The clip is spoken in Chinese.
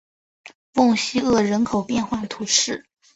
翁西厄人口变化图示